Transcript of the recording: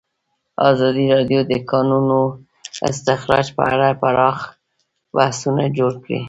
ازادي راډیو د د کانونو استخراج په اړه پراخ بحثونه جوړ کړي.